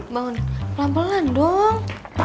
bangun pelan pelan dong